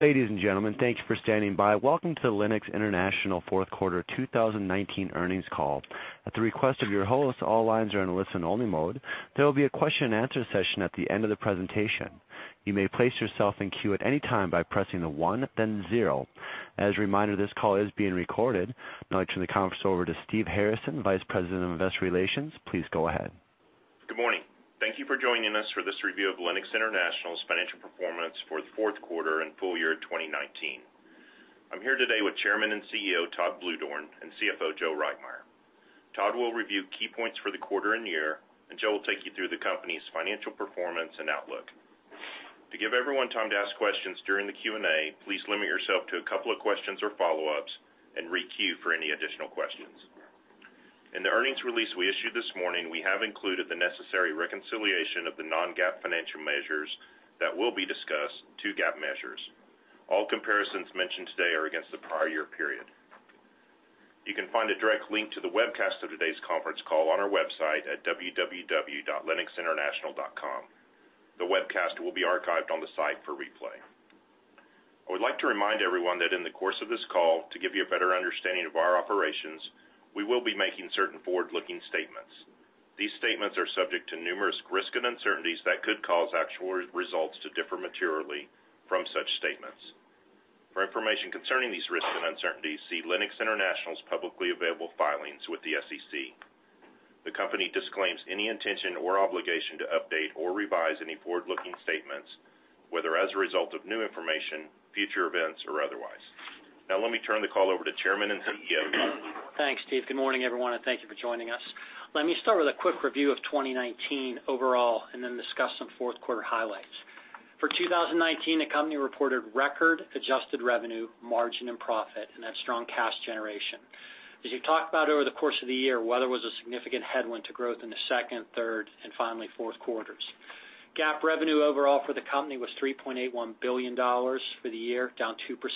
Ladies and gentlemen, thank you for standing by. Welcome to Lennox International fourth quarter 2019 earnings call. At the request of your host, all lines are in listen-only mode. There will be a question and answer session at the end of the presentation. You may place yourself in queue at any time by pressing the one then zero. As a reminder, this call is being recorded. Now I turn the conference over to Steve Harrison, vice president of investor relations. Please go ahead. Good morning. Thank you for joining us for this review of Lennox International's financial performance for the fourth quarter and full year 2019. I'm here today with Chairman and CEO, Todd Bluedorn, and CFO, Joe Reitmeier. Todd will review key points for the quarter and year, and Joe will take you through the company's financial performance and outlook. To give everyone time to ask questions during the Q&A, please limit yourself to a couple of questions or follow-ups and re-queue for any additional questions. In the earnings release we issued this morning, we have included the necessary reconciliation of the non-GAAP financial measures that will be discussed to GAAP measures. All comparisons mentioned today are against the prior year period. You can find a direct link to the webcast of today's conference call on our website at www.lennoxinternational.com. The webcast will be archived on the site for replay. I would like to remind everyone that in the course of this call, to give you a better understanding of our operations, we will be making certain forward-looking statements. These statements are subject to numerous risks and uncertainties that could cause actual results to differ materially from such statements. For information concerning these risks and uncertainties, see Lennox International's publicly available filings with the SEC. The company disclaims any intention or obligation to update or revise any forward-looking statements, whether as a result of new information, future events, or otherwise. Now let me turn the call over to Chairman and CEO, Todd Bluedorn. Thanks, Steve. Good morning, everyone, and thank you for joining us. Let me start with a quick review of 2019 overall, and then discuss some fourth quarter highlights. For 2019, the company reported record adjusted revenue, margin, and profit, and had strong cash generation. As we talked about over the course of the year, weather was a significant headwind to growth in the second, third, and finally fourth quarters. GAAP revenue overall for the company was $3.81 billion for the year, down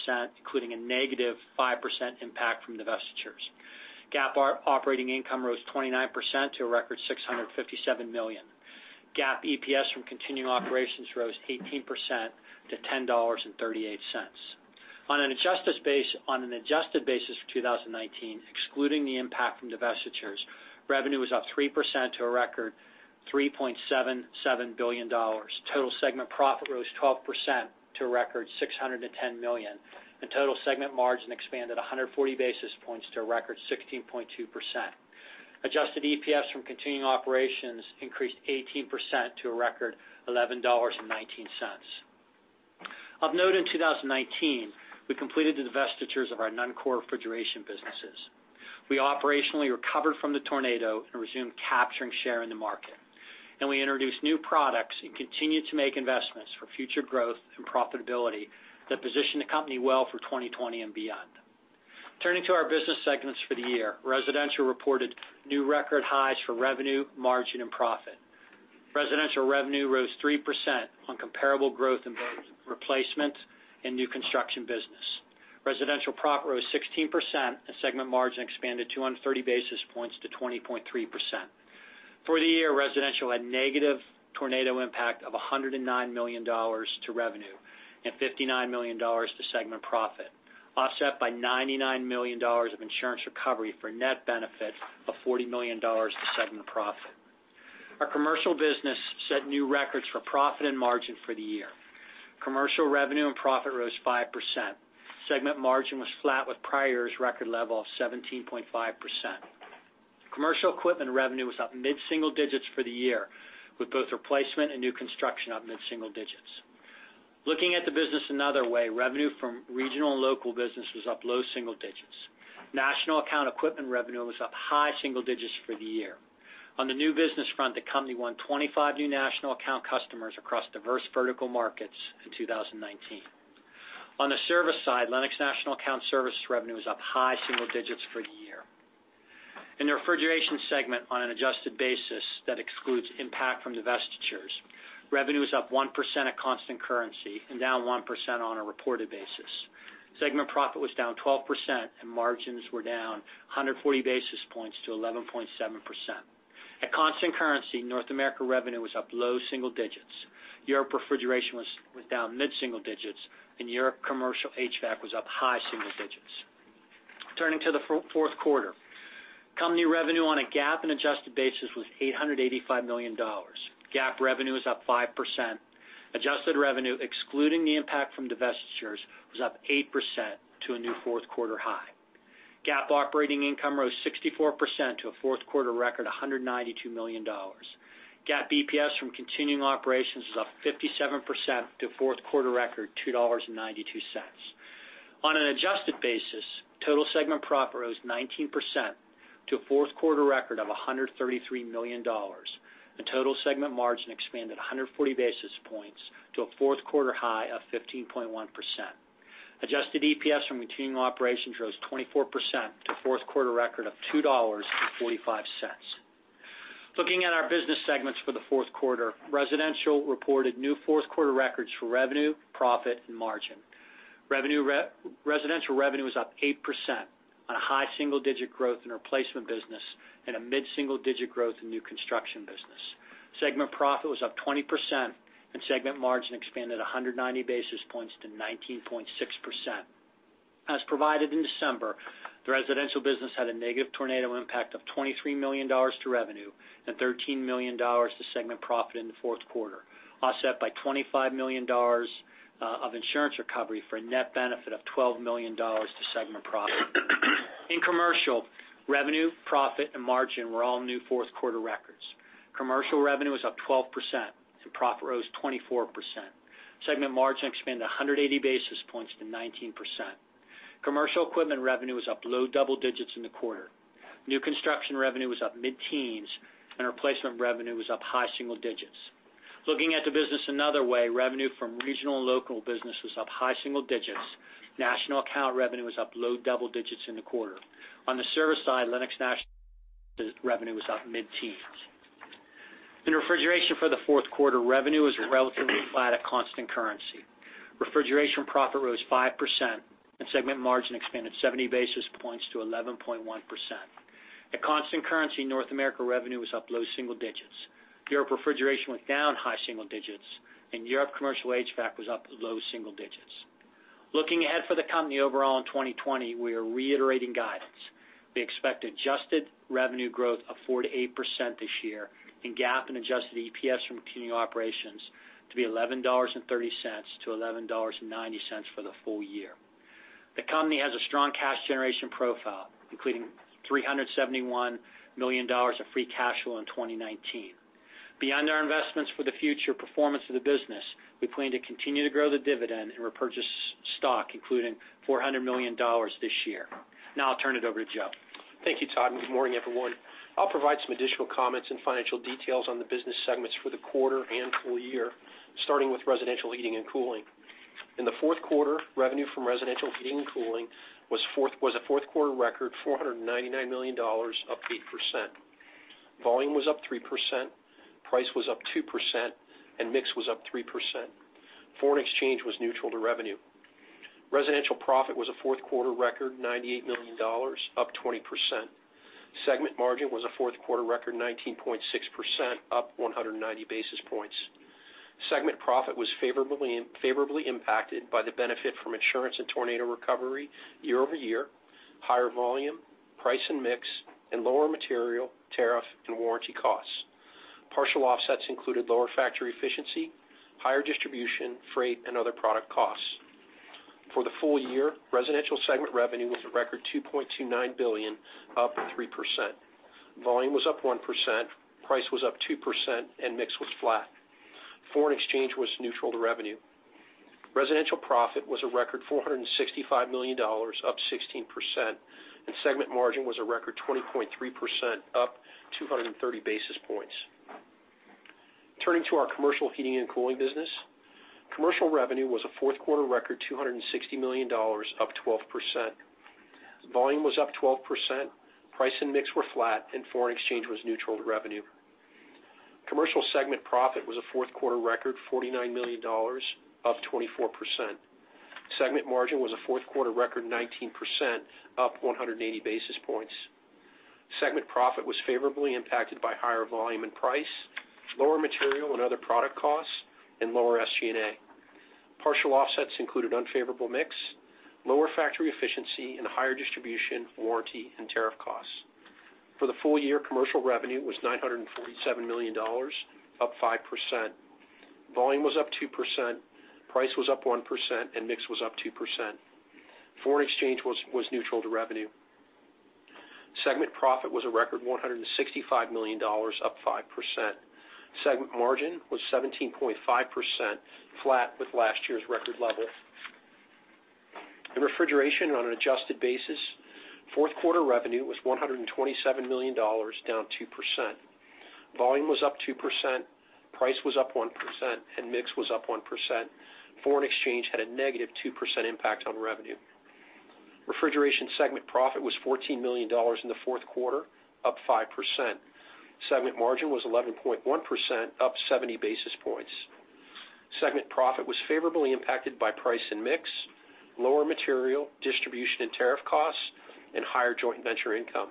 2%, including a negative 5% impact from divestitures. GAAP operating income rose 29% to a record $657 million. GAAP EPS from continuing operations rose 18% to $10.38. On an adjusted basis for 2019, excluding the impact from divestitures, revenue was up 3% to a record $3.77 billion. Total segment profit rose 12% to a record $610 million, and total segment margin expanded 140 basis points to a record 16.2%. Adjusted EPS from continuing operations increased 18% to a record $11.19. Of note in 2019, we completed the divestitures of our non-core refrigeration businesses. We operationally recovered from the tornado and resumed capturing share in the market. We introduced new products and continued to make investments for future growth and profitability that position the company well for 2020 and beyond. Turning to our business segments for the year, Residential reported new record highs for revenue, margin, and profit. Residential revenue rose 3% on comparable growth in both replacement and new construction business. Residential profit rose 16%, and segment margin expanded 230 basis points to 20.3%. For the year, Residential had negative tornado impact of $109 million to revenue and $59 million to segment profit, offset by $99 million of insurance recovery for net benefit of $40 million to segment profit. Our Commercial business set new records for profit and margin for the year. Commercial revenue and profit rose 5%. Segment margin was flat with prior year's record level of 17.5%. Commercial equipment revenue was up mid-single digits for the year, with both replacement and new construction up mid-single digits. Looking at the business another way, revenue from regional and local business was up low single digits. National account equipment revenue was up high single digits for the year. On the new business front, the company won 25 new national account customers across diverse vertical markets in 2019. On the service side, Lennox National Account Services revenue was up high single digits for the year. In the Refrigeration Segment, on an adjusted basis that excludes impact from divestitures, revenue was up 1% at constant currency and down 1% on a reported basis. Segment profit was down 12%, and margins were down 140 basis points to 11.7%. At constant currency, North America revenue was up low single digits. Europe Refrigeration was down mid-single digits, and Europe Commercial HVAC was up high single digits. Turning to the fourth quarter. Company revenue on a GAAP and adjusted basis was $885 million. GAAP revenue was up 5%. Adjusted revenue, excluding the impact from divestitures, was up 8% to a new fourth quarter high. GAAP operating income rose 64% to a fourth quarter record $192 million. GAAP EPS from continuing operations was up 57% to fourth quarter record $2.92. On an adjusted basis, total segment profit rose 19% to a fourth quarter record of $133 million, and total segment margin expanded 140 basis points to a fourth quarter high of 15.1%. Adjusted EPS from continuing operations rose 24% to fourth quarter record of $2.45. Looking at our business segments for the fourth quarter, Residential reported new fourth quarter records for revenue, profit, and margin. Residential revenue was up 8% on a high single-digit growth in replacement business and a mid-single-digit growth in new construction business. Segment profit was up 20%, and segment margin expanded 190 basis points to 19.6%. As provided in December, the residential business had a negative tornado impact of $23 million to revenue and $13 million to segment profit in the fourth quarter, offset by $25 million of insurance recovery for a net benefit of $12 million to segment profit. In commercial, revenue, profit, and margin were all new fourth-quarter records. Commercial revenue was up 12%, and profit rose 24%. Segment margin expanded 180 basis points to 19%. Commercial equipment revenue was up low double digits in the quarter. New construction revenue was up mid-teens, and replacement revenue was up high single digits. Looking at the business another way, revenue from regional and local business was up high single digits. National Account revenue was up low double digits in the quarter. On the service side, Lennox National revenue was up mid-teens. In refrigeration for the fourth quarter, revenue was relatively flat at constant currency. Refrigeration profit rose 5%, and segment margin expanded 70 basis points to 11.1%. At constant currency, North America revenue was up low single digits. Europe refrigeration went down high single digits, and Europe commercial HVAC was up low single digits. Looking ahead for the company overall in 2020, we are reiterating guidance. We expect adjusted revenue growth of 4%-8% this year and GAAP and adjusted EPS from continuing operations to be $11.30-$11.90 for the full year. The company has a strong cash generation profile, including $371 million of free cash flow in 2019. Beyond our investments for the future performance of the business, we plan to continue to grow the dividend and repurchase stock, including $400 million this year. Now I'll turn it over to Joe. Thank you, Todd. Good morning, everyone. I'll provide some additional comments and financial details on the business segments for the quarter and full year, starting with Residential Heating and Cooling. In the fourth quarter, revenue from Residential Heating and Cooling was a fourth-quarter record, $499 million, up 8%. Volume was up 3%, price was up 2%, and mix was up 3%. Foreign exchange was neutral to revenue. Residential profit was a fourth-quarter record, $98 million, up 20%. Segment margin was a fourth-quarter record 19.6%, up 190 basis points. Segment profit was favorably impacted by the benefit from insurance and tornado recovery year-over-year, higher volume, price, and mix, and lower material, tariff, and warranty costs. Partial offsets included lower factory efficiency, higher distribution, freight, and other product costs. For the full year, residential segment revenue was a record $2.29 billion, up 3%. Volume was up 1%, price was up 2%, and mix was flat. Foreign exchange was neutral to revenue. Residential profit was a record $465 million, up 16%, and segment margin was a record 20.3%, up 230 basis points. Turning to our Commercial Heating and Cooling business. Commercial revenue was a fourth-quarter record $260 million, up 12%. Volume was up 12%, price and mix were flat, and foreign exchange was neutral to revenue. Commercial segment profit was a fourth-quarter record $49 million, up 24%. Segment margin was a fourth-quarter record 19%, up 180 basis points. Segment profit was favorably impacted by higher volume and price, lower material and other product costs, and lower SG&A. Partial offsets included unfavorable mix, lower factory efficiency, and higher distribution, warranty, and tariff costs. For the full year, commercial revenue was $947 million, up 5%. Volume was up 2%, price was up 1%, and mix was up 2%. Foreign exchange was neutral to revenue. Segment profit was a record $165 million, up 5%. Segment margin was 17.5%, flat with last year's record level. In refrigeration on an adjusted basis, fourth-quarter revenue was $127 million, down 2%. Volume was up 2%, price was up 1%, and mix was up 1%. Foreign exchange had a -2% impact on revenue. Refrigeration segment profit was $14 million in the fourth quarter, up 5%. Segment margin was 11.1%, up 70 basis points. Segment profit was favorably impacted by price and mix, lower material, distribution, and tariff costs, and higher joint venture income.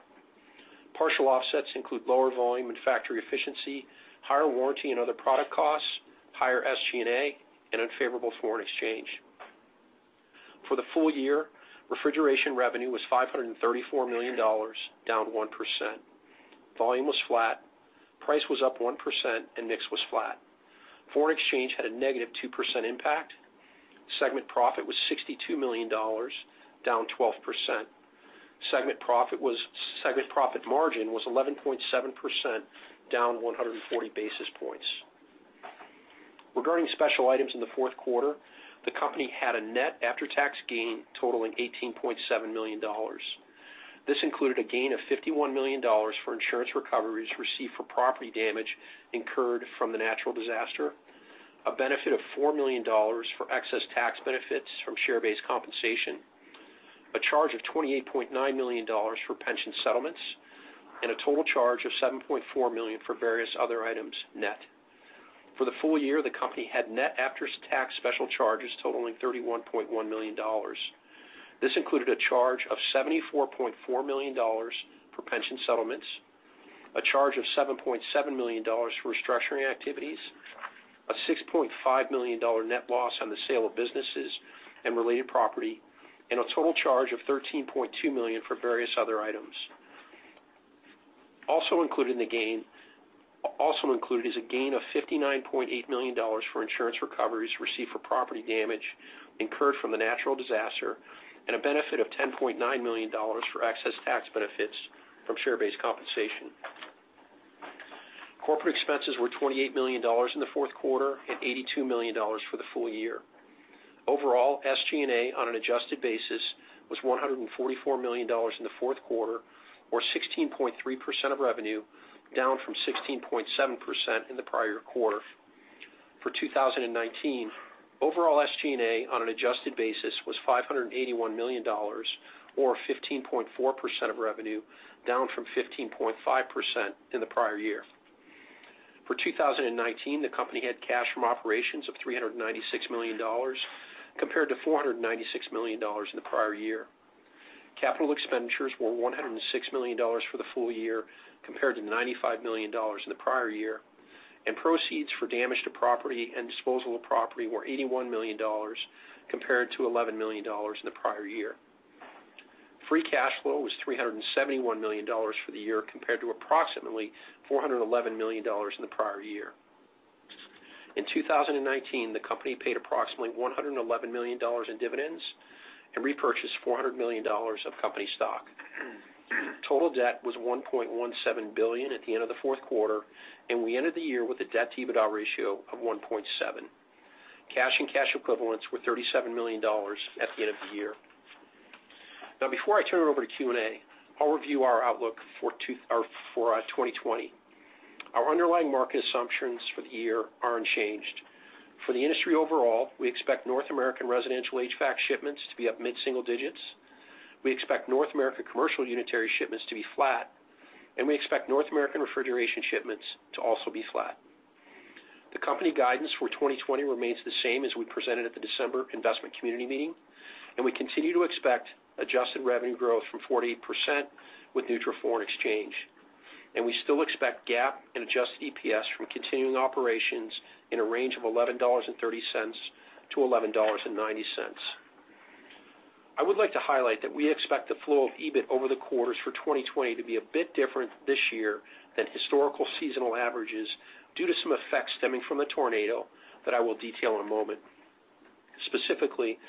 Partial offsets include lower volume and factory efficiency, higher warranty and other product costs, higher SG&A, and unfavorable foreign exchange. For the full year, refrigeration revenue was $534 million, down 1%. Volume was flat, price was up 1%, and mix was flat. Foreign exchange had a negative 2% impact. Segment profit was $62 million, down 12%. Segment profit margin was 11.7%, down 140 basis points. Regarding special items in the fourth quarter, the company had a net after-tax gain totaling $18.7 million. This included a gain of $51 million for insurance recoveries received for property damage incurred from the natural disaster, a benefit of $4 million for excess tax benefits from share-based compensation, a charge of $28.9 million for pension settlements, and a total charge of $7.4 million for various other items net. For the full year, the company had net after-tax special charges totaling $31.1 million. This included a charge of $74.4 million for pension settlements, a charge of $7.7 million for restructuring activities, a $6.5 million net loss on the sale of businesses and related property, and a total charge of $13.2 million for various other items. Also included is a gain of $59.8 million for insurance recoveries received for property damage incurred from the natural disaster and a benefit of $10.9 million for excess tax benefits from share-based compensation. Corporate expenses were $28 million in the fourth quarter and $82 million for the full year. Overall, SG&A on an adjusted basis was $144 million in the fourth quarter, or 16.3% of revenue, down from 16.7% in the prior quarter. For 2019, overall SG&A on an adjusted basis was $581 million, or 15.4% of revenue, down from 15.5% in the prior year. For 2019, the company had cash from operations of $396 million compared to $496 million in the prior year. Capital expenditures were $106 million for the full year compared to $95 million in the prior year, and proceeds for damage to property and disposal of property were $81 million compared to $11 million in the prior year. Free cash flow was $371 million for the year compared to approximately $411 million in the prior year. In 2019, the company paid approximately $111 million in dividends and repurchased $400 million of company stock. Total debt was $1.17 billion at the end of the fourth quarter, and we ended the year with a debt-to-EBITDA ratio of 1.7x. Cash and cash equivalents were $37 million at the end of the year. Before I turn it over to Q&A, I'll review our outlook for 2020. Our underlying market assumptions for the year are unchanged. For the industry overall, we expect North American residential HVAC shipments to be up mid-single digits. We expect North American commercial unitary shipments to be flat, and we expect North American refrigeration shipments to also be flat. The company guidance for 2020 remains the same as we presented at the December investment community meeting, and we continue to expect adjusted revenue growth from 4-8% with neutral foreign exchange. We still expect GAAP and adjusted EPS from continuing operations in a range of $11.30-$11.90. I would like to highlight that we expect the flow of EBIT over the quarters for 2020 to be a bit different this year than historical seasonal averages due to some effects stemming from the tornado that I will detail in a moment. Specifically,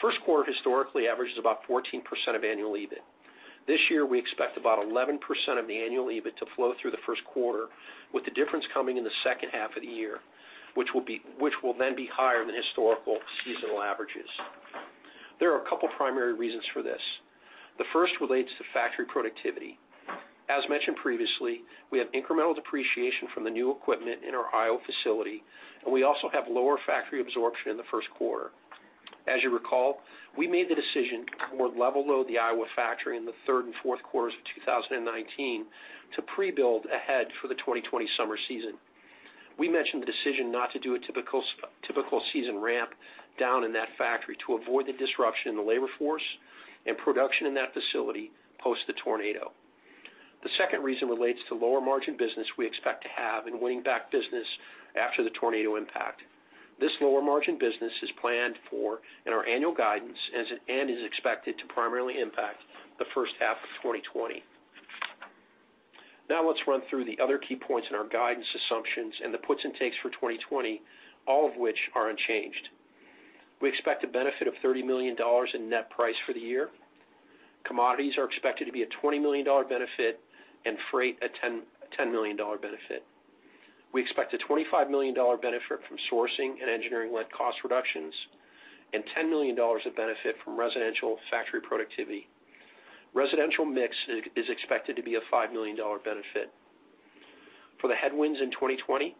first quarter historically averages about 14% of annual EBIT. This year, we expect about 11% of the annual EBIT to flow through the first quarter, with the difference coming in the second half of the year, which will then be higher than historical seasonal averages. There are a couple primary reasons for this. The first relates to factory productivity. As mentioned previously, we have incremental depreciation from the new equipment in our Iowa facility, and we also have lower factory absorption in the first quarter. As you recall, we made the decision to level-load the Iowa factory in the third and fourth quarters of 2019 to pre-build ahead for the 2020 summer season. We mentioned the decision not to do a typical season ramp down in that factory to avoid the disruption in the labor force and production in that facility post the tornado. The second reason relates to lower-margin business we expect to have in winning back business after the tornado impact. This lower-margin business is planned for in our annual guidance and is expected to primarily impact the first half of 2020. Now let's run through the other key points in our guidance assumptions and the puts and takes for 2020, all of which are unchanged. We expect a benefit of $30 million in net price for the year. Commodities are expected to be a $20 million benefit and freight a $10 million benefit. We expect a $25 million benefit from sourcing and engineering-led cost reductions and $10 million of benefit from residential factory productivity. Residential mix is expected to be a $5 million benefit. For the headwinds in 2020,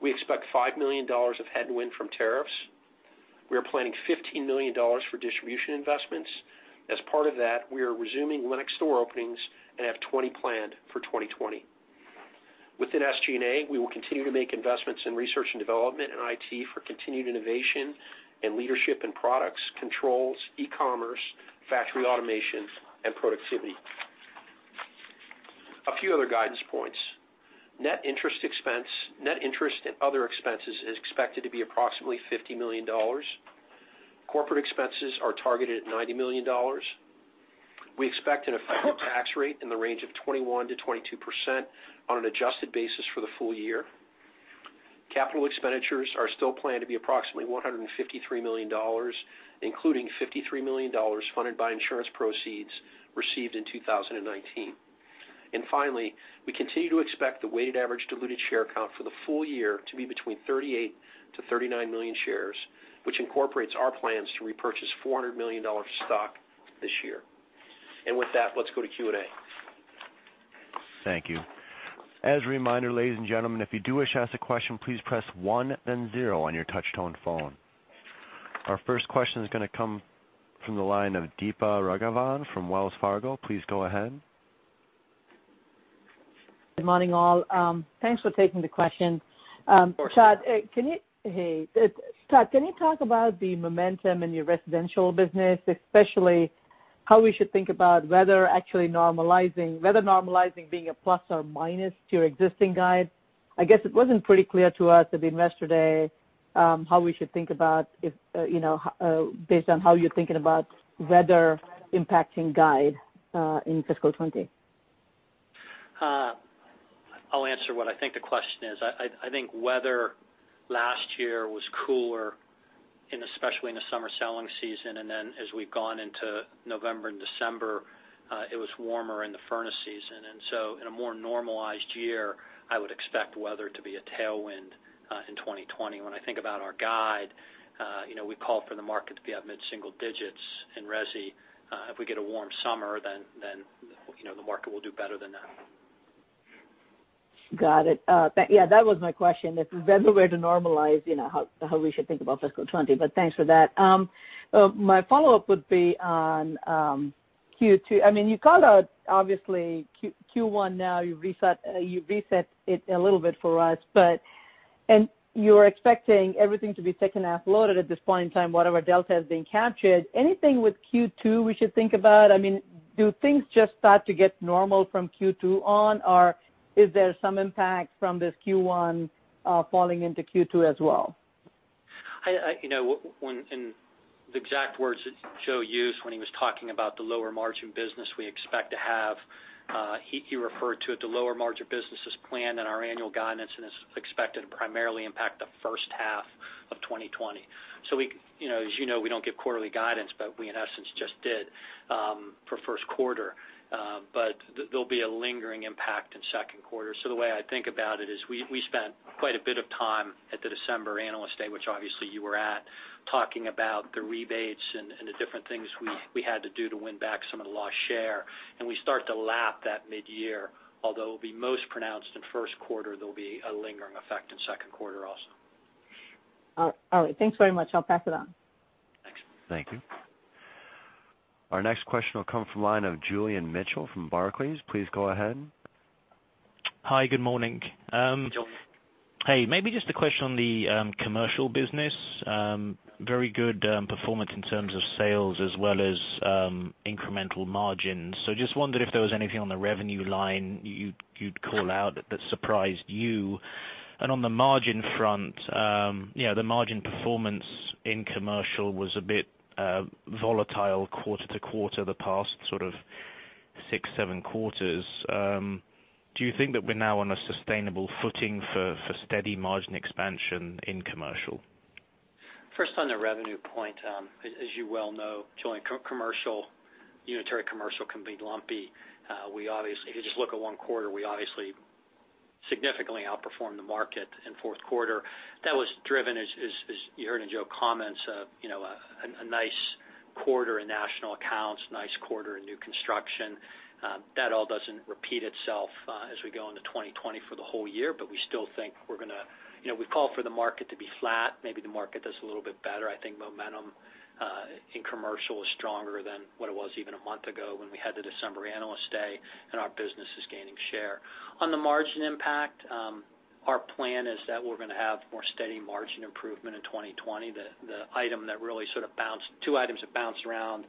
we expect $5 million of headwind from tariffs. We are planning $15 million for distribution investments. As part of that, we are resuming Lennox store openings and have 20 planned for 2020. Within SG&A, we will continue to make investments in research and development and IT for continued innovation and leadership in products, controls, e-commerce, factory automation, and productivity. A few other guidance points. Net interest and other expenses is expected to be approximately $50 million. Corporate expenses are targeted at $90 million. We expect an effective tax rate in the range of 21%-22% on an adjusted basis for the full year. Capital expenditures are still planned to be approximately $153 million, including $53 million funded by insurance proceeds received in 2019. Finally, we continue to expect the weighted average diluted share count for the full year to be between 38 million to 39 million shares, which incorporates our plans to repurchase $400 million of stock this year. With that, let's go to Q&A. Thank you. As a reminder, ladies and gentlemen, if you do wish to ask a question, please press one then zero on your touch-tone phone. Our first question is going to come from the line of Deepa Raghavan from Wells Fargo. Please go ahead. Good morning, all. Thanks for taking the questions. Of course. Hey. Todd, can you talk about the momentum in your residential business, especially how we should think about weather actually normalizing, whether normalizing being a plus or minus to your existing guide? I guess it wasn't pretty clear to us at the investor day how we should think about based on how you're thinking about weather impacting guide in fiscal 2020. I'll answer what I think the question is. I think weather last year was cooler, especially in the summer selling season, and then as we've gone into November and December, it was warmer in the furnace season. In a more normalized year, I would expect weather to be a tailwind in 2020. When I think about our guide, we call for the market to be up mid-single digits in resi. If we get a warm summer, then the market will do better than that. Got it. Yeah, that was my question. If weather were to normalize, how we should think about fiscal 2020, but thanks for that. My follow-up would be on Q2. You called out, obviously, Q1 now. You reset it a little bit for us, and you're expecting everything to be second half loaded at this point in time, whatever delta has been captured. Anything with Q2 we should think about? Do things just start to get normal from Q2 on or is there some impact from this Q1 falling into Q2 as well? In the exact words that Joe used when he was talking about the lower margin business we expect to have, he referred to it the lower margin business as planned in our annual guidance, and is expected to primarily impact the first half of 2020. As you know, we don't give quarterly guidance, but we in essence just did for first quarter. There'll be a lingering impact in second quarter. The way I think about it is we spent quite a bit of time at the December analyst day, which obviously you were at, talking about the rebates and the different things we had to do to win back some of the lost share. We start to lap that mid-year. Although it will be most pronounced in first quarter, there'll be a lingering effect in second quarter also. All right. Thanks very much. I'll pass it on. Thanks. Thank you. Our next question will come from the line of Julian Mitchell from Barclays. Please go ahead. Hi, good morning. Hey, Julian. Hey, maybe just a question on the commercial business? Very good performance in terms of sales as well as incremental margins. Just wondered if there was anything on the revenue line you'd call out that surprised you? On the margin front, the margin performance in commercial was a bit volatile quarter to quarter the past six, seven quarters. Do you think that we're now on a sustainable footing for steady margin expansion in commercial? First, on the revenue point, as you well know, Julian, unitary commercial can be lumpy. If you just look at one quarter, we obviously significantly outperformed the market in fourth quarter. That was driven, as you heard in Joe comments, a nice quarter in National Accounts, nice quarter in new construction. That all doesn't repeat itself as we go into 2020 for the whole year, but we still think We've called for the market to be flat. Maybe the market does a little bit better. I think momentum in commercial is stronger than what it was even a month ago when we had the December analyst day, and our business is gaining share. On the margin impact, our plan is that we're going to have more steady margin improvement in 2020. Two items that bounced around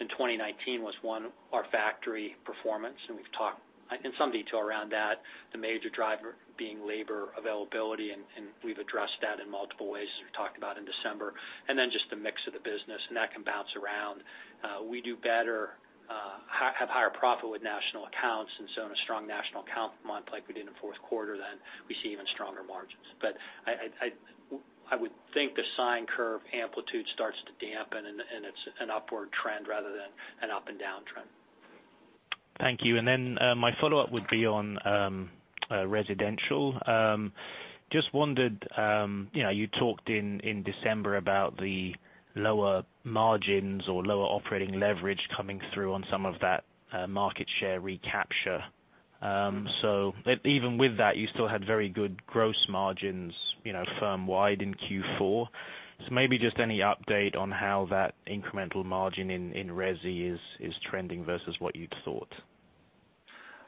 in 2019 was, one, our factory performance, and we've talked in some detail around that, the major driver being labor availability, and we've addressed that in multiple ways, as we talked about in December. Then just the mix of the business, and that can bounce around. We do better, have higher profit with National Accounts, and so in a strong National Accounts month like we did in the fourth quarter, then we see even stronger margins. I would think the sine curve amplitude starts to dampen, and it's an upward trend rather than an up and down trend. Thank you. My follow-up would be on residential. Just wondered, you talked in December about the lower margins or lower operating leverage coming through on some of that market share recapture. Even with that, you still had very good gross margins firm wide in Q4. Maybe just any update on how that incremental margin in resi is trending versus what you'd thought.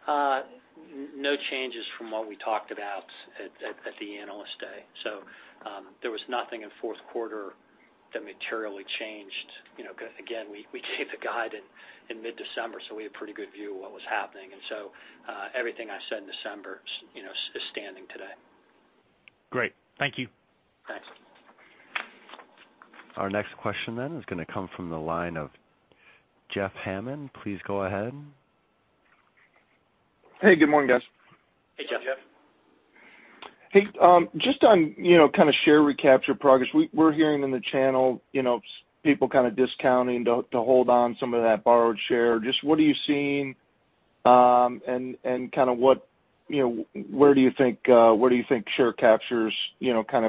No changes from what we talked about at the analyst day. There was nothing in fourth quarter that materially changed. Again, we gave the guide in mid-December, we had a pretty good view of what was happening. Everything I said in December is standing today. Great. Thank you. Thanks. Our next question then is going to come from the line of Jeff Hammond. Please go ahead. Hey, good morning, guys. Hey, Jeff. Hey, just on share recapture progress. We're hearing in the channel people discounting to hold on some of that borrowed share. Just what are you seeing, and where do you think share captures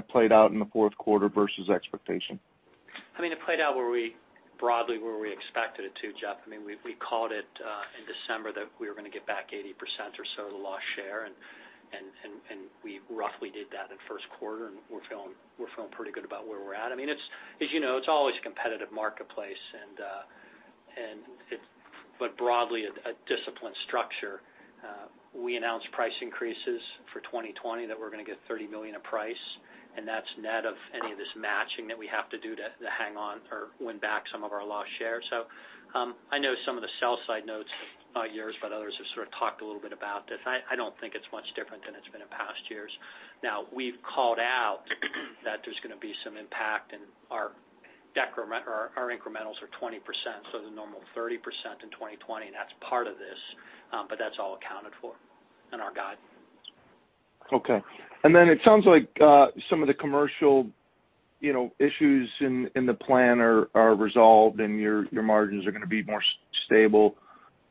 played out in the fourth quarter versus expectation? It played out broadly where we expected it to, Jeff. We called it in December that we were going to get back 80% or so of the lost share. We roughly did that in first quarter, and we're feeling pretty good about where we're at. It's always a competitive marketplace, but broadly a disciplined structure. We announced price increases for 2020 that we're going to get $30 million of price, and that's net of any of this matching that we have to do to hang on or win back some of our lost shares. I know some of the sell side notes of yours, but others have sort of talked a little bit about this. I don't think it's much different than it's been in past years. We've called out that there's going to be some impact in our incrementals are 20%, so the normal 30% in 2020, and that's part of this. That's all accounted for in our guide. Okay. It sounds like some of the commercial issues in the plan are resolved, and your margins are going to be more stable.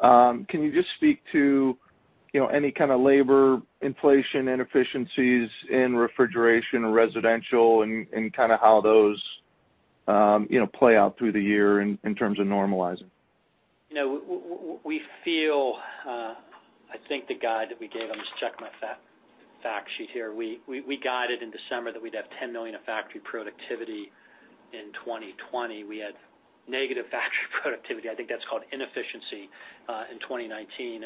Can you just speak to any kind of labor inflation inefficiencies in refrigeration, residential, and how those play out through the year in terms of normalizing? I think the guide that we gave, I'm just checking my fact sheet here. We guided in December that we'd have $10 million of factory productivity in 2020. We had negative factory productivity, I think that's called inefficiency, in 2019.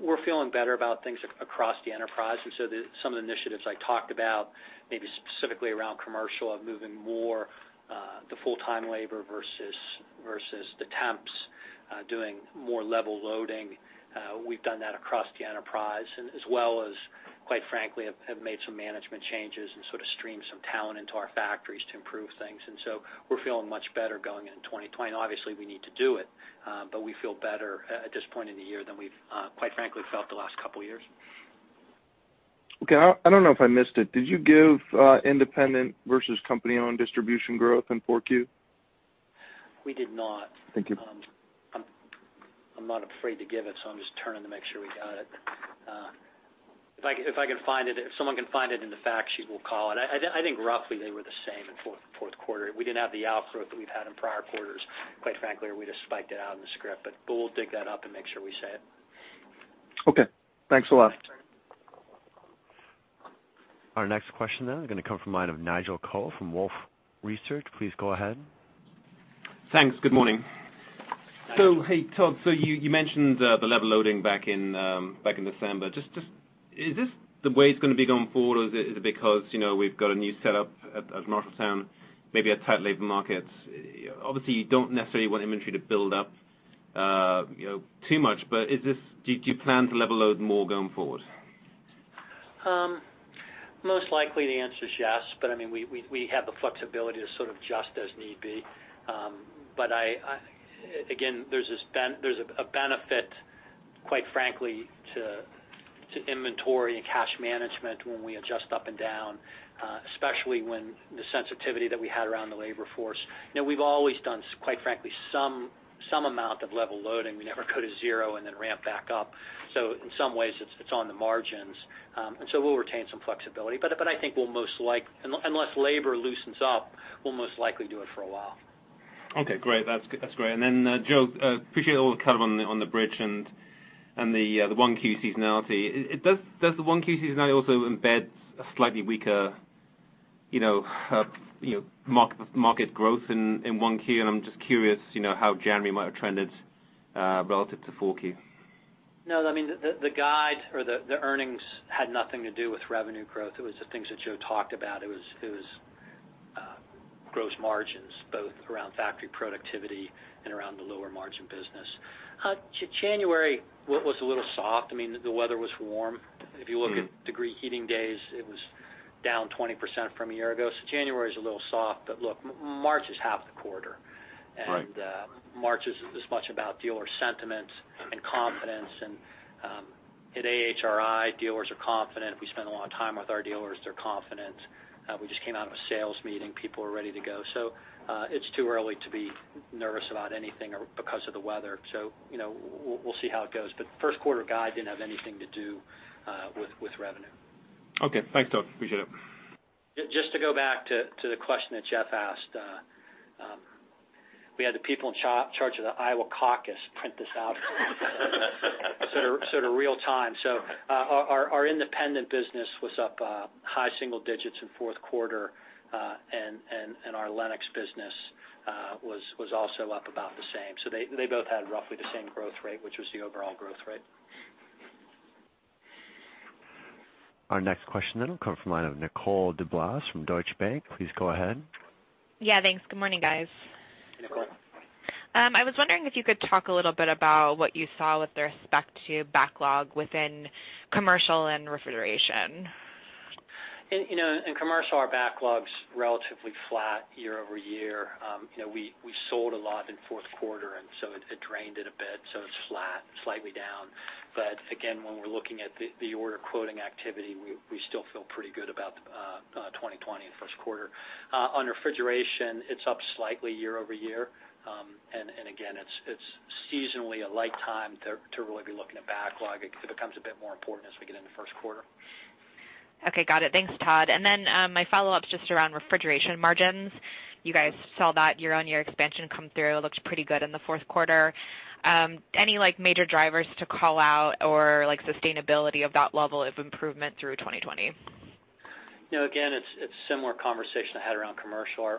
We're feeling better about things across the enterprise. Some of the initiatives I talked about, maybe specifically around commercial, of moving more the full-time labor versus the temps doing more level loading. We've done that across the enterprise as well as, quite frankly, have made some management changes and sort of streamed some talent into our factories to improve things. We're feeling much better going into 2020. Obviously, we need to do it. We feel better at this point in the year than we've quite frankly felt the last couple of years. Okay. I don't know if I missed it. Did you give independent versus company-owned distribution growth in 4Q? We did not. Thank you. I'm not afraid to give it. I'm just turning to make sure we got it. If someone can find it in the fact sheet, we'll call it. I think roughly they were the same in fourth quarter. We didn't have the outgrowth that we've had in prior quarters. Quite frankly, we'd have spiked it out in the script. We'll dig that up and make sure we say it. Okay. Thanks a lot. Our next question is going to come from the line of Nigel Coe from Wolfe Research. Please go ahead. Thanks. Good morning. Hey, Todd, so you mentioned the level loading back in December. Just is this the way it's going to be going forward? Is it because we've got a new set up at Marshalltown, maybe a tight labor market? Obviously, you don't necessarily want inventory to build up too much, do you plan to level load more going forward? Most likely the answer is yes. We have the flexibility to sort of adjust as need be. Again, there's a benefit, quite frankly, to inventory and cash management when we adjust up and down, especially when the sensitivity that we had around the labor force. We've always done, quite frankly, some amount of level loading. We never go to zero and then ramp back up. In some ways it's on the margins. We'll retain some flexibility. I think unless labor loosens up, we'll most likely do it for a while. Okay, great. That's great. Joe, appreciate all the color on the bridge and the 1Q seasonality. Does the 1Q seasonality also embed a slightly weaker market growth in 1Q? I'm just curious how January might have trended relative to 4Q. The guide or the earnings had nothing to do with revenue growth. It was the things that Joe talked about. It was gross margins, both around factory productivity and around the lower margin business. January was a little soft. The weather was warm. If you look at degree heating days, it was down 20% from a year ago. January's a little soft. Look, March is half the quarter. Right. March is as much about dealer sentiment and confidence. At AHRI, dealers are confident. We spend a lot of time with our dealers. They're confident. We just came out of a sales meeting. People are ready to go. It's too early to be nervous about anything because of the weather. We'll see how it goes. First quarter guide didn't have anything to do with revenue. Okay. Thanks, Todd. Appreciate it. Just to go back to the question that Jeff asked. We had the people in charge of the Iowa Caucus print this out sort of real time. Our independent business was up high single digits in fourth quarter. Our Lennox business was also up about the same. They both had roughly the same growth rate, which was the overall growth rate. Our next question then will come from the line of Nicole DeBlase from Deutsche Bank. Please go ahead. Yeah, thanks. Good morning, guys. Nicole. I was wondering if you could talk a little bit about what you saw with respect to backlog within commercial and refrigeration? In commercial, our backlog's relatively flat year-over-year. We sold a lot in fourth quarter, and so it drained it a bit. It's flat, slightly down. Again, when we're looking at the order quoting activity, we still feel pretty good about 2020 in first quarter. On refrigeration, it's up slightly year-over-year. Again, it's seasonally a light time to really be looking at backlog. It becomes a bit more important as we get into first quarter. Okay, got it. Thanks, Todd. My follow-up's just around refrigeration margins. You guys saw that year-on-year expansion come through. It looked pretty good in the fourth quarter. Any major drivers to call out or sustainability of that level of improvement through 2020? Again, it's a similar conversation I had around commercial.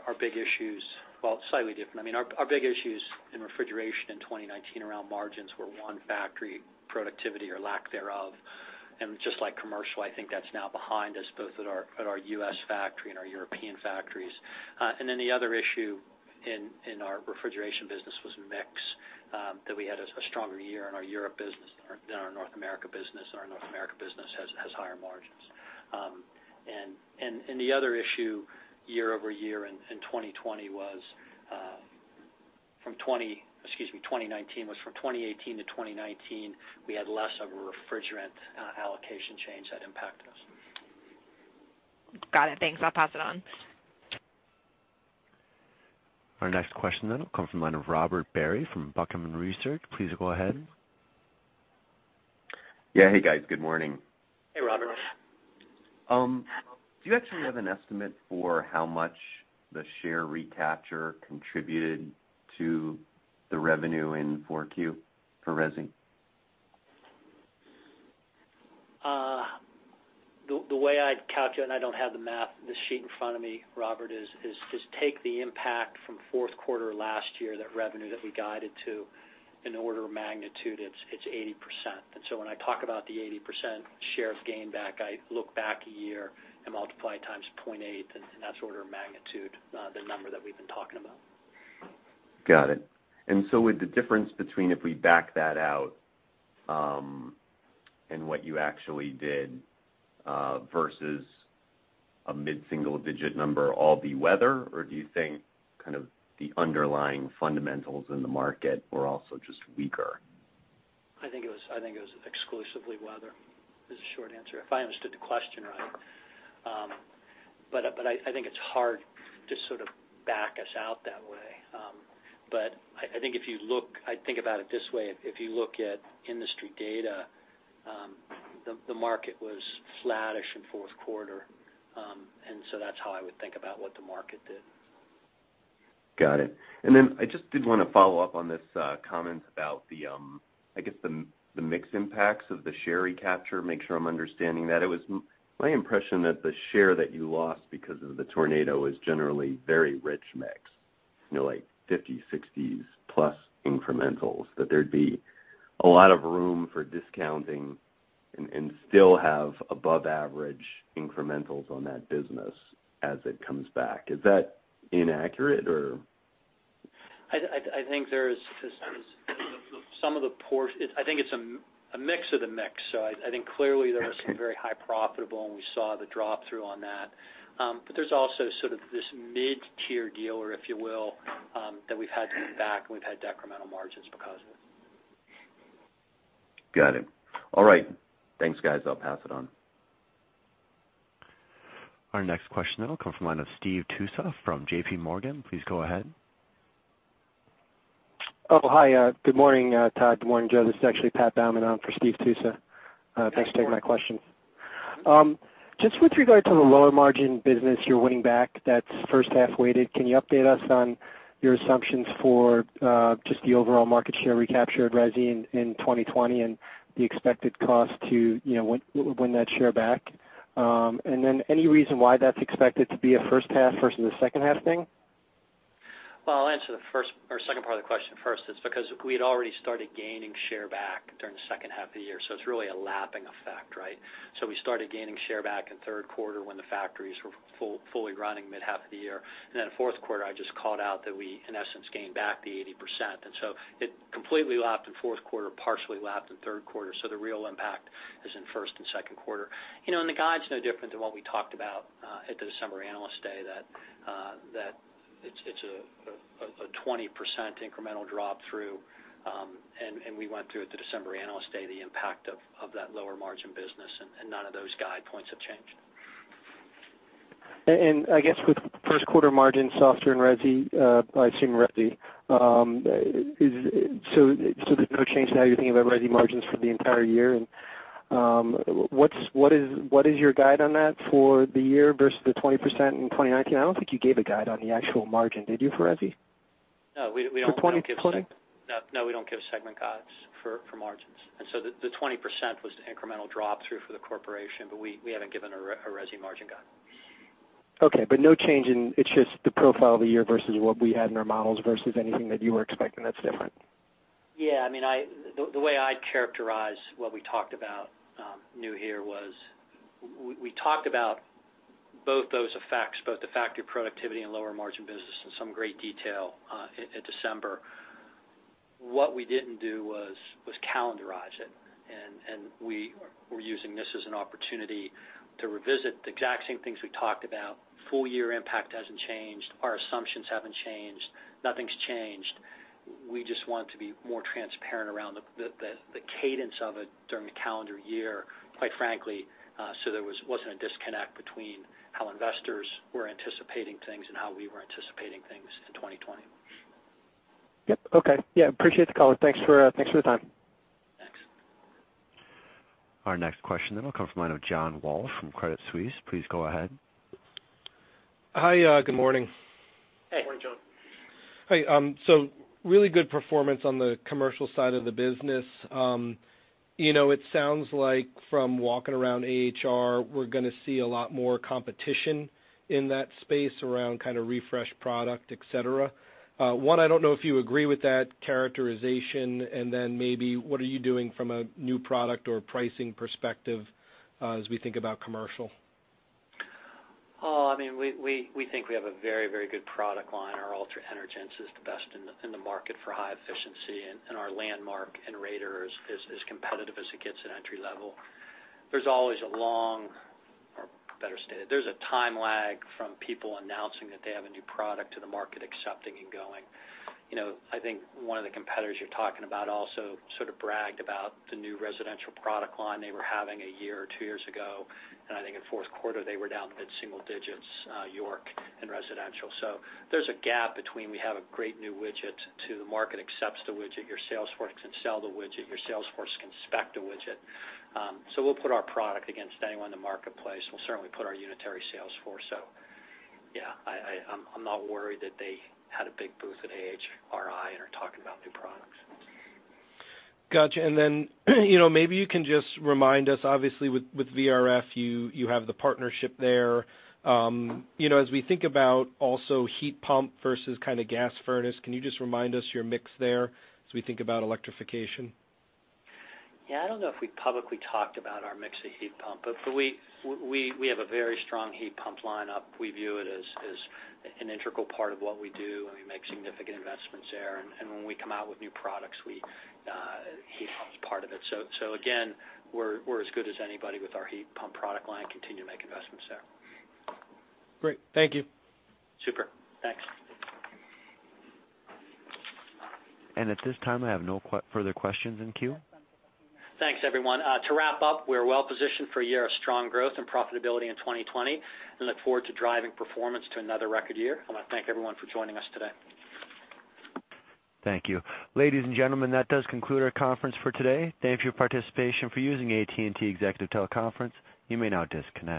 Slightly different. Our big issue is in refrigeration in 2019 around margins where one factory productivity or lack thereof, and just like commercial, I think that's now behind us, both at our U.S. factory and our European factories. The other issue in our refrigeration business was mix, that we had a stronger year in our Europe business than our North America business, and our North America business has higher margins. The other issue year-over-year in 2019 was from 2018 to 2019, we had less of a refrigerant allocation change that impacted us. Got it. Thanks. I'll pass it on. Our next question then will come from the line of Robert Barry from Buckingham Research. Please go ahead. Yeah. Hey, guys. Good morning. Hey, Robert. Do you actually have an estimate for how much the share recapture contributed to the revenue in 4Q for resi? The way I'd calculate, and I don't have the math, the sheet in front of me, Robert, is just take the impact from fourth quarter last year, that revenue that we guided to an order of magnitude, it's 80%. When I talk about the 80% share of gain back, I look back a year and multiply it times 0.8, and that's order of magnitude, the number that we've been talking about. Got it. Would the difference between if we back that out, and what you actually did, versus a mid-single digit number all be weather? Or do you think kind of the underlying fundamentals in the market were also just weaker? I think it was exclusively weather is the short answer, if I understood the question, Robert. I think it's hard to sort of back us out that way. I think if you look, I'd think about it this way, if you look at industry data, the market was flattish in fourth quarter. That's how I would think about what the market did. Got it. I just did want to follow up on this comment about the mix impacts of the share recapture, make sure I'm understanding that. It was my impression that the share that you lost because of the tornado is generally very rich mix, like 50s, 60s plus incrementals, that there'd be a lot of room for discounting and still have above average incrementals on that business as it comes back. Is that inaccurate, or? I think it's a mix of the mix. I think clearly there was some very high profitable, and we saw the drop through on that. But there's also sort of this mid-tier dealer, if you will, that we've had to give back, and we've had decremental margins because of it. Got it. All right. Thanks, guys. I'll pass it on. Our next question will come from the line of Steve Tusa from JPMorgan. Please go ahead. Oh, hi. Good morning, Todd. Good morning, Joe. This is actually Pat Baumann on for Steve Tusa. Thanks, Pat. Thanks for taking my question. Just with regard to the lower margin business you're winning back that's first half weighted, can you update us on your assumptions for just the overall market share recapture at resi in 2020 and the expected cost to win that share back? Any reason why that's expected to be a first half versus a second half thing? Well, I'll answer the second part of the question first. It's because we had already started gaining share back during the second half of the year. It's really a lapping effect, right? We started gaining share back in third quarter when the factories were fully running mid-half of the year. Then in fourth quarter, I just called out that we, in essence, gained back the 80%. It completely lapped in fourth quarter, partially lapped in third quarter. The real impact is in first and second quarter. The guide's no different than what we talked about at the December Analyst Day, that it's a 20% incremental drop through. We went through at the December Analyst Day the impact of that lower margin business, none of those guide points have changed. I guess with first quarter margin softer in resi, I assume resi, so there's no change to how you're thinking about resi margins for the entire year? What is your guide on that for the year versus the 20% in 2019? I don't think you gave a guide on the actual margin, did you, for resi? No, we don't give segment guides for margins. The 20% was the incremental drop through for the corporation, but we haven't given a resi margin guide. Okay, no change in, it's just the profile of the year versus what we had in our models versus anything that you were expecting that's different? Yeah. The way I'd characterize what we talked about new here was we talked about both those effects, both the factory productivity and lower margin business in some great detail in December. What we didn't do was calendarize it, and we're using this as an opportunity to revisit the exact same things we talked about. Full year impact hasn't changed. Our assumptions haven't changed. Nothing's changed. We just want to be more transparent around the cadence of it during the calendar year, quite frankly, so there wasn't a disconnect between how investors were anticipating things and how we were anticipating things in 2020. Yep. Okay. Yeah, appreciate the call. Thanks for the time. Thanks. Our next question will come from the line of John Walsh from Credit Suisse. Please go ahead. Hi, good morning. Hey. Good morning, John. Hi. Really good performance on the commercial side of the business, it sounds like from walking around AHR, we're going to see a lot more competition in that space around kind of refresh product, et cetera. I don't know if you agree with that characterization, maybe what are you doing from a new product or pricing perspective as we think about commercial? We think we have a very good product line. Our Energence is the best in the market for high efficiency, and our Landmark and Raider is as competitive as it gets at entry level. There's always a long, or better stated, there's a time lag from people announcing that they have a new product to the market accepting and going. I think one of the competitors you're talking about also sort of bragged about the new residential product line they were having a year or two years ago, and I think in fourth quarter they were down mid-single digits, York and Residential. There's a gap between we have a great new widget to the market accepts the widget, your sales force can sell the widget, your sales force can spec the widget. We'll put our product against anyone in the marketplace. We'll certainly put our unitary sales force. Yeah, I'm not worried that they had a big booth at AHRI and are talking about new products. Got you. Maybe you can just remind us, obviously, with VRF, you have the partnership there. As we think about also heat pump versus kind of gas furnace, can you just remind us your mix there as we think about electrification? I don't know if we publicly talked about our mix of heat pump. We have a very strong heat pump lineup. We view it as an integral part of what we do, and we make significant investments there. When we come out with new products, heat pump is part of it. Again, we're as good as anybody with our heat pump product line, continue to make investments there. Great. Thank you. Super. Thanks. At this time, I have no further questions in queue. Thanks, everyone. To wrap up, we're well-positioned for a year of strong growth and profitability in 2020 and look forward to driving performance to another record year. I want to thank everyone for joining us today. Thank you. Ladies and gentlemen, that does conclude our conference for today. Thank you for your participation for using AT&T Teleconference Services. You may now disconnect.